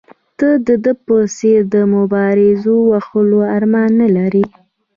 ته د ده په څېر د رمباړو وهلو ارمان نه لرې.